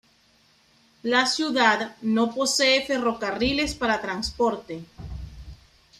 La ciudad no posee ferrocarriles para transporte.